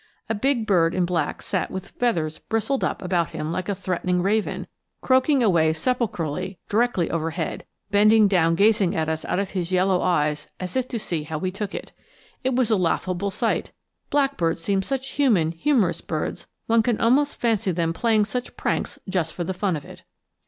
A big bird in black sat with feathers bristled up about him like a threatening raven, croaking away sepulchrally directly overhead, bending down gazing at us out of his yellow eyes as if to see how we took it. It was a laughable sight. Blackbirds seem such human, humorous birds one can almost fancy them playing such pranks just for the fun of it.